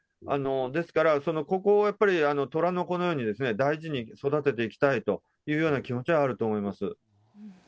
ですから、ここをやっぱり虎の子のように大事に育てていきたいというような気持ちはあると思います。